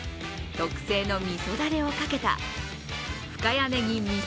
特製のみそダレをかけた深谷ねぎ味噌